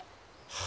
は